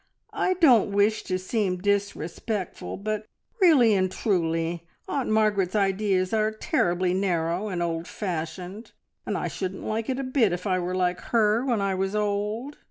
"I don't wish to seem disrespectful, but really and truly Aunt Margaret's ideas are terribly narrow and old fashioned, and I shouldn't like it a bit if I were like her when I was old.